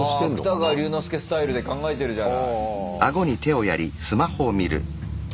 あ芥川龍之介スタイルで考えてるじゃない。